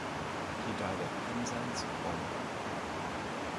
He died at Penzance, Cornwall.